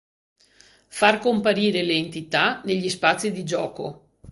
Far comparire le entità negli spazi di gioco.